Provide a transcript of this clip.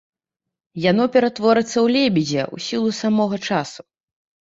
Яно ператворыцца ў лебедзя ў сілу самога часу.